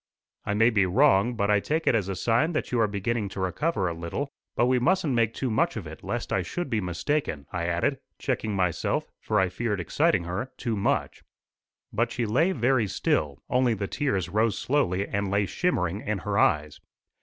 I may be wrong, but I take it as a sign that you are beginning to recover a little. But we mustn't make too much of it, lest I should be mistaken," I added, checking myself, for I feared exciting her too much. But she lay very still; only the tears rose slowly and lay shimmering in her eyes.